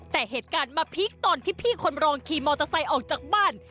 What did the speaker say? แต่เหตุการณ์มาพีคตอนที่พี่คนรองขี่มอเตอร์ไซค์ออกจากบ้าน